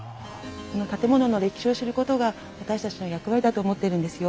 この建物の歴史を知ることが私たちの役割だと思ってるんですよ。